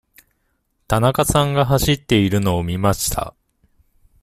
田中さんが走っているのを見ました。